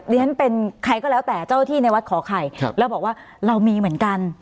เรียนเป็นใครก็แล้วแต่เจ้าที่ในวัดขอไข่แล้วบอกว่าเรามีเหมือนกัน